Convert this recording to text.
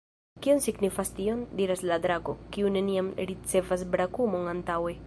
"Kion signifas tio?" diras la drako, kiu neniam ricevis brakumon antaŭe.